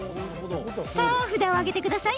さあ、札を上げてください。